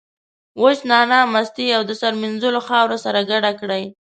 وچه نعناع، مستې او د سر مینځلو خاوره سره ګډ کړئ.